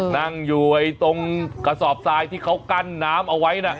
นั่งอยู่ตรงกระสอบทรายที่เขากั้นน้ำเอาไว้นะ